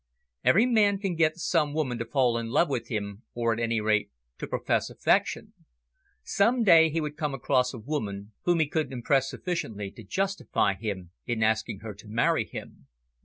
Every man can get some woman to fall in love with him, or, at any rate, to profess affection. Some day he would come across a woman whom he could impress sufficiently to justify him in asking her to marry him.